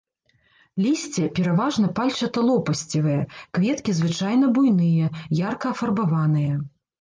Лісце пераважна пальчаталопасцевае, кветкі звычайна буйныя, ярка афарбаваныя.